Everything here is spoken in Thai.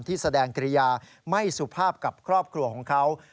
แสดงกิริยาไม่สุภาพกับครอบครัวของเขา